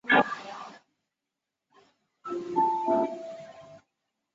本列表为中华民国与中华人民共和国驻莱索托历任大使名录。